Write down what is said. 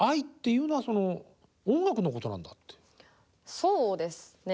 そうですね。